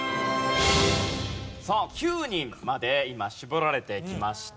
さあ９人まで今絞られてきました。